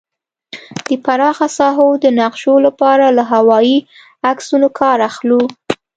د پراخه ساحو د نقشو لپاره له هوايي عکسونو کار اخلو